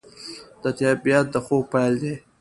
د طبیعت د خوب پیل دی